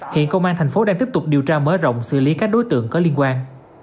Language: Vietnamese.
hiện công an thành phố đang tiếp tục điều tra mở rộng xử lý các đối tượng có liên quan